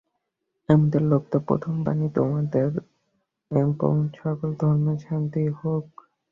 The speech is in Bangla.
আমাদের লব্ধ প্রথম বাণী তোমাদের এবং সকল ধর্মের শান্তি হউক।